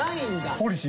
ポリシー？